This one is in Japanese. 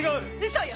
嘘よ！